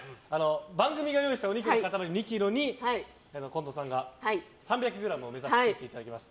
番組が用意したお肉の塊２ｋｇに近藤さんが３００ｇを目指して切っていただきます。